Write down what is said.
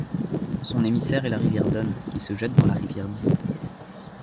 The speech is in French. Son émissaire est la rivière Don, qui se jette dans la rivière Dee.